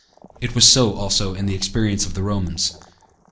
It was so, also, in the experience of the Romans.